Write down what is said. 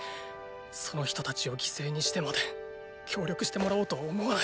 その人たちを犠牲にしてまで協力してもらおうとは思わない。